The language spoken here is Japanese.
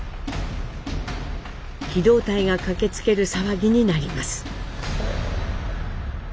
機動隊が駆けつける騒ぎになります。